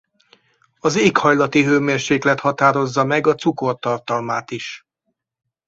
Az éghajlati hőmérséklet határozza meg a cukortartalmát is.